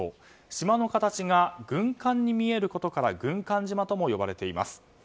島の形が軍艦に見えることから軍艦島とも呼ばれています。